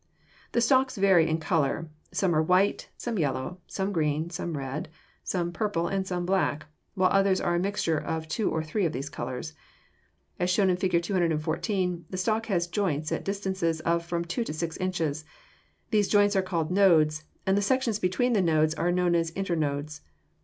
The stalks vary in color. Some are white, some yellow, some green, some red, some purple, and some black, while others are a mixture of two or three of these colors. As shown in Fig. 214 the stalk has joints at distances of from two to six inches. These joints are called nodes, and the sections between the nodes are known as internodes.